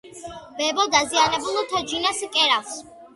ბებო დაზიანებულ თოჯინას კერავს